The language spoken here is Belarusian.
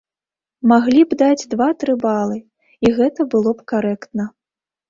Маглі б даць два-тры балы, і гэта было б карэктна.